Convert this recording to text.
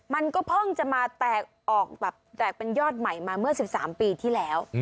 มันก็เพิ่งจะมาแตกออกแบบแตกเป็นยอดใหม่มาเมื่อ๑๓ปีที่แล้ว